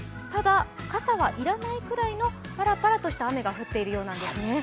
ただ、傘は要らないくらいのパラパラとした雨が降ってるみたいですね。